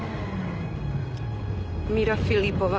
ミラ・フィリポワ。